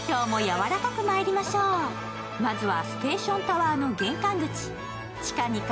まずはステーションタワーの玄関口地下２階